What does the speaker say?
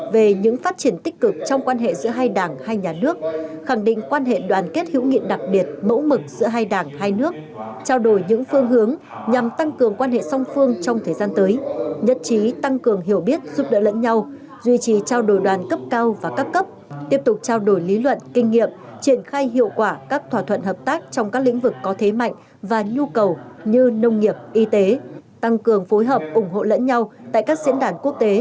về những phát triển tích cực trong quan hệ giữa hai đảng hai nhà nước khẳng định quan hệ đoàn kết hữu nghị đặc biệt mẫu mực giữa hai đảng hai nước trao đổi những phương hướng nhằm tăng cường quan hệ song phương trong thời gian tới nhất trí tăng cường hiểu biết giúp đỡ lẫn nhau duy trì trao đổi đoàn cấp cao và cấp cấp tiếp tục trao đổi lý luận kinh nghiệm triển khai hiệu quả các thỏa thuận hợp tác trong các lĩnh vực có thế mạnh và nhu cầu như nông nghiệp y tế tăng cường phối hợp ủng hộ lẫn nhau tại các diễn đàn